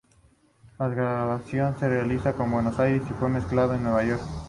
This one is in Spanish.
La grabación se realizó en Buenos Aires y fue mezclado en Nueva York.